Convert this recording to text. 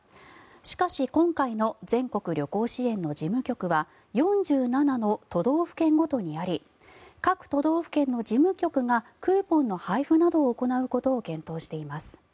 しかし今回の全国旅行支援の事務局は４７の都道府県ごとにあり各都道府県の事務局がクーポンの配布を行うことなどを検討しています。